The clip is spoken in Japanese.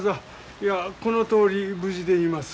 いやこのとおり無事でいます。